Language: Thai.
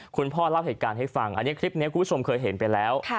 พ่อเล่าเหตุการณ์ให้ฟังอันนี้คลิปนี้คุณผู้ชมเคยเห็นไปแล้ว